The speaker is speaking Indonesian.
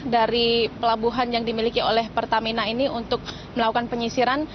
dari pelabuhan yang dimiliki oleh pertamina ini untuk melakukan penyisiran